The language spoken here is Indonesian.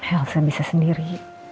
elsa bisa sendiri